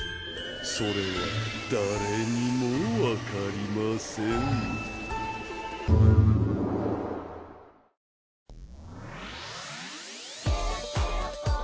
それは誰にもわかりません